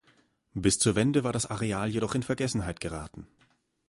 Bis zur Wende war das Areal jedoch in Vergessenheit geraten.